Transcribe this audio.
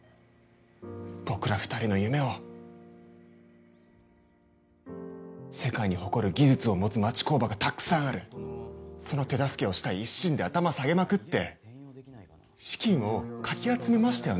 僕ら二人の夢を世界に誇る技術を持つ町工場がたくさんあるその手助けをしたい一心で頭下げまくって資金をかき集めましたよね